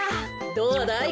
どうだい？